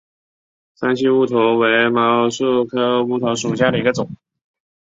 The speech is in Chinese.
山西乌头为毛茛科乌头属下的一个种。